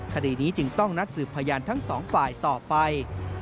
คดีนี้จึงต้องนัดสืบพยานทั้งสองฝ่ายต่อไป